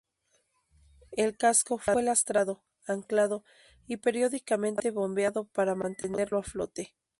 El casco, fue lastrado, anclado, y periódicamente bombeado para mantenerlo a flote.